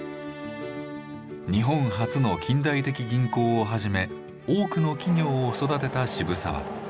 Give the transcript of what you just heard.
日本初の近代的銀行をはじめ多くの企業を育てた渋沢。